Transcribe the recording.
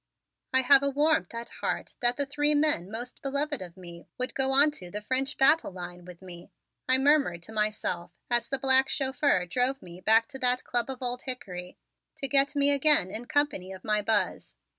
"I have a warmth at heart that the three men most beloved of me would go onto the French battle line with me," I murmured to myself as the black chauffeur drove me back to that Club of Old Hickory to get me again in company of my Buzz.